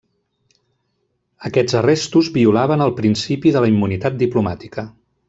Aquests arrestos violaven el principi de la immunitat diplomàtica.